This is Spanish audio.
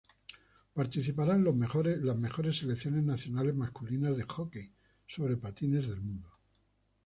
Participarán las mejores selecciones nacionales masculinas de hockey sobre patines del mundo.